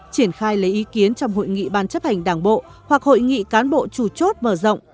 triển khai lấy ý kiến trong hội nghị ban chấp hành đảng bộ hoặc hội nghị cán bộ chủ chốt mở rộng